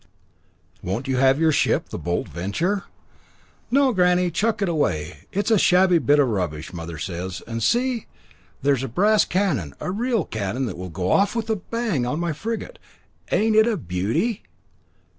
"Won't you have your ship the Bold Venture?" "No, granny; chuck it away. It's a shabby bit o' rubbish, mother says; and see! there's a brass cannon, a real cannon that will go off with a bang, on my frigate. Ain't it a beauty?"